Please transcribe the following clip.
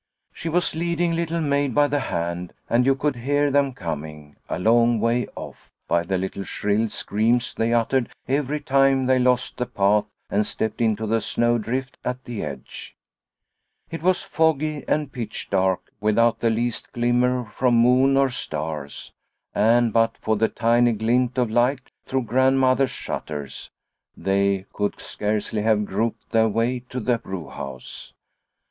She was leading Little Maid by the hand, and you could hear them coming, a long way off, by the little shrill screams they uttered every time they lost the path and stepped into the snow drift at the edge. It was foggy and pitch dark, without the least glimmer from moon or stars, and, but for the tiny glint of light through Grandmother's shutters, they could scarcely have groped their way to the brew house.